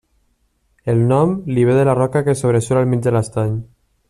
El nom l'hi ve de la roca que sobresurt al mig de l'estany.